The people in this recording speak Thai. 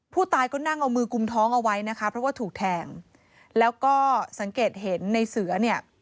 ผู้ตายก็นั่งเอามือกุมท้องเอาไว้นะคะเพราะว่าถูกแทงแล้วก็สังเกตเห็นในเสือเนี่ย